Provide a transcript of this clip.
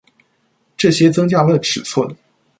这些增加了尺寸。